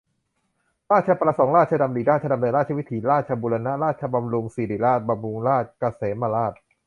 ราชประสงค์ ราชดำริ ราชดำเนิน ราชวิถี ราษฎร์บูรณะ ราษฎร์บำรุง ศิริราช บำรุงราษฎร์ เกษมราษฏร์